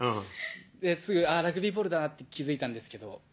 ですぐラグビーボールだなって気付いたんですけど。